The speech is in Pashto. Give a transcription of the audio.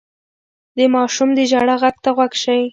د ماشوم د ژړا غږ ته غوږ شئ.